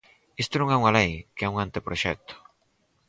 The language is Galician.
¡Isto non é unha lei, que é un anteproxecto!